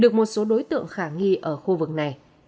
được một số đối tượng khả nghi ở khu vực này